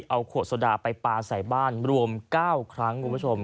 เอาขวดโซดาไปปลาใส่บ้านรวม๙ครั้งคุณผู้ชม